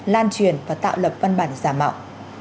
lan truyền và tạo lập văn bản giả mạo